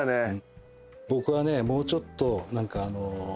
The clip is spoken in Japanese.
僕はねもうちょっと何かあの。